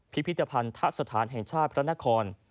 พิพิธภัณฑสถานแห่งชาติพระนคร